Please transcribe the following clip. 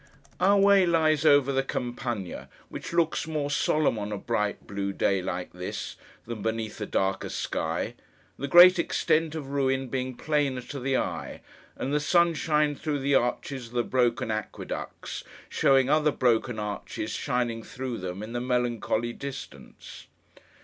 Our way lies over the Campagna, which looks more solemn on a bright blue day like this, than beneath a darker sky; the great extent of ruin being plainer to the eye: and the sunshine through the arches of the broken aqueducts, showing other broken arches shining through them in the melancholy distance.